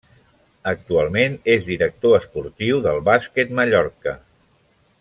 Actualment és director esportiu del Bàsquet Mallorca.